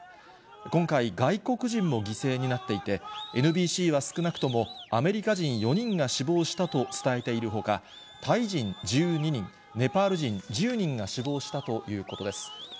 今回、外国人も犠牲になっていて、ＮＢＣは少なくともアメリカ人４人が死亡したと伝えているほか、タイ人１２人、ネパール人１０人が死亡したということです。